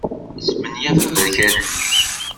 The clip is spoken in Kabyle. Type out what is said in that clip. Smenyafeɣ aberkan-nni.